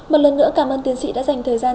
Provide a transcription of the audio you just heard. một lần nữa cảm ơn tiến sĩ đã dành thời gian